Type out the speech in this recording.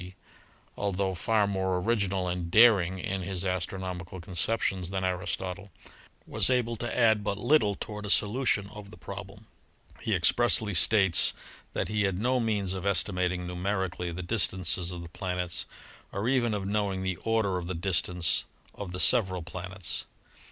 d.), altho far more original and daring in his astronomi PLANETARY DISTANCES 61 cal conceptions than Aristotle, was able to add but little toward a solution of the problem. He expressly states that he had no means of estimating numerically the dis tances of the planets or even of knowing the order of the distance of the several planets.